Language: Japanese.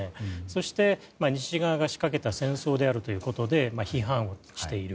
そして西側が仕掛けた戦争であるということで批判をしている。